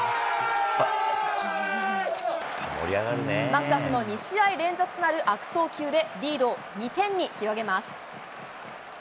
マクガフの２試合連続となる悪送球で、リードを２点に広げます。